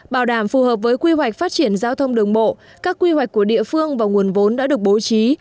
bảo đảm phù hợp với quy hoạch phát triển giao thông đường bộ các quy hoạch của địa phương và nguồn vốn đã được bố trí